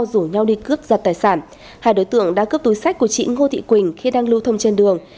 rủ nhau đi cướp giật tài sản hai đối tượng đã cướp túi sách của chị ngô thị quỳnh khi đang lưu thông trên đường